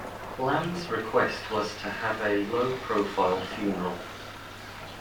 Lam's request was to have a low-profile funeral.